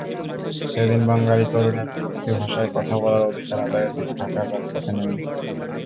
সেদিন বাঙালি তরুণেরা মাতৃভাষায় কথা বলার অধিকার আদায়ের জন্য ঢাকার রাজপথে নেমেছিলেন।